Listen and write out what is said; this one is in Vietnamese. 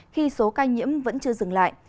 khi số ca nhiễm vẫn chưa dừng lại